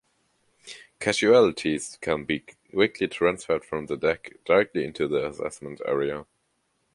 Casualties can be quickly transferred from the deck directly into the assessment area.